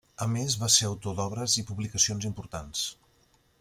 A més va ser autor d'obres i publicacions importants.